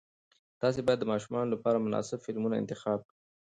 تاسې باید د ماشومانو لپاره مناسب فلمونه انتخاب کړئ.